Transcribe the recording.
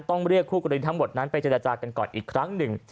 ต้องเรียกคู่กรณีทั้งหมดนั้นไปเจรจากันก่อนอีกครั้งหนึ่ง